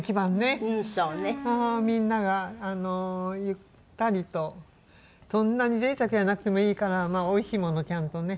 みんながゆったりとそんなに贅沢じゃなくてもいいからおいしいものをちゃんとね